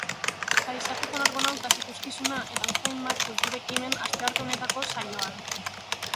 Paisaje con argonautas ikuskizuna eta beste hainbat kultur ekimen astearte honetako saioan.